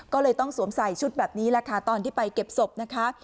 ก็เลยต้องสวมใส่ชุดแบบนี้แหละค่ะตอนที่ไปเก็บศพนะคะ